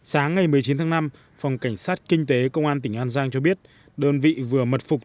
sáng ngày một mươi chín tháng năm phòng cảnh sát kinh tế công an tỉnh an giang cho biết đơn vị vừa mật phục